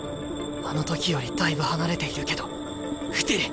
あの時よりだいぶ離れているけど打てる。